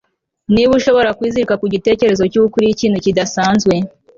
niba ushobora kwizirika ku gitekerezo cy'uko uri ikintu kidasanzwe